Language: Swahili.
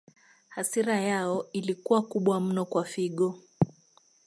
Hasira yao ilikuwa kubwa mno kwa Figo